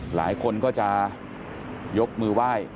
หลายคนก็จะยกมือไหว้